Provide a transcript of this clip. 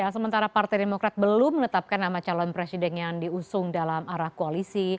sementara partai demokrat belum menetapkan nama calon presiden yang diusung dalam arah koalisi